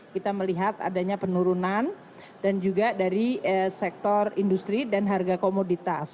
kita melihat adanya penurunan dan juga dari sektor industri dan harga komoditas